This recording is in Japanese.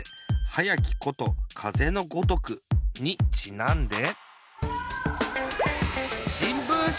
「はやきことかぜのごとく！」にちなんで。